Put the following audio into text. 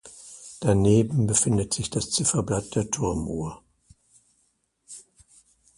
Daneben befindet sich das Zifferblatt der Turmuhr.